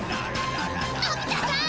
のび太さん！